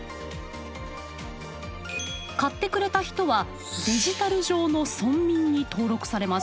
買ってくれた人はデジタル上の村民に登録されます。